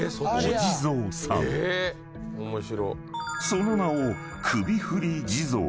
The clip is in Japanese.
［その名を］